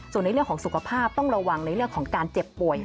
ส่วนในเรื่องของสุขภาพต้องระวังในเรื่องของการเจ็บป่วย